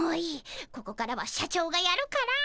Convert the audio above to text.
ここからは社長がやるから。